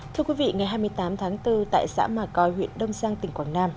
thưa quý vị ngày hai mươi tám tháng bốn tại xã mà coi huyện đông giang tỉnh quảng nam